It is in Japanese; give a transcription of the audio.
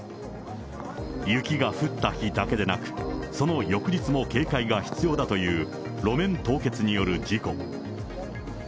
雪が降った日だけでなく、その翌日も警戒が必要だという、路面凍結による事故。